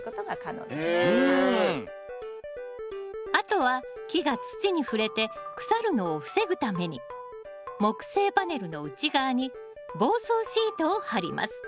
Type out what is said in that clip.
あとは木が土に触れて腐るのを防ぐために木製パネルの内側に防草シートを貼ります